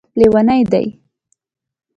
لیوني دی